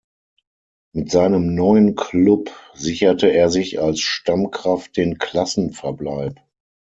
Mit seinem neuen Klub sicherte er sich als Stammkraft den Klassenverbleib.